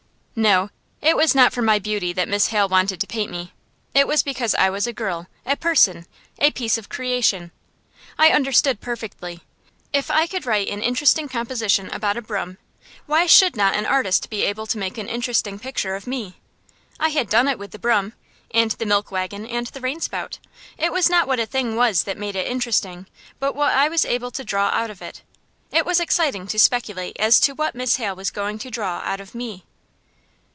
No, it was not for my beauty that Miss Hale wanted to paint me. It was because I was a girl, a person, a piece of creation. I understood perfectly. If I could write an interesting composition about a broom, why should not an artist be able to make an interesting picture of me? I had done it with the broom, and the milk wagon, and the rain spout. It was not what a thing was that made it interesting, but what I was able to draw out of it. It was exciting to speculate as to what Miss Hale was going to draw out of me.